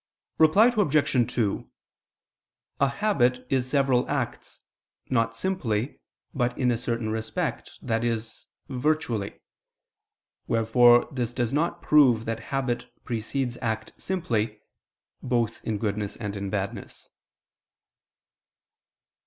Reply Obj. 2: A habit is several acts, not simply, but in a certain respect, i.e. virtually. Wherefore this does not prove that habit precedes act simply, both in goodness and in badness.